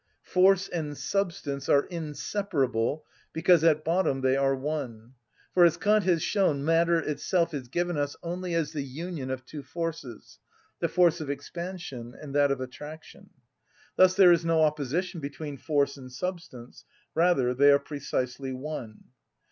Force and substance are inseparable because at bottom they are one; for, as Kant has shown, matter itself is given us only as the union of two forces, the force of expansion and that of attraction. Thus there is no opposition between force and substance, rather they are precisely one.